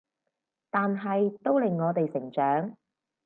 但係都令我哋成長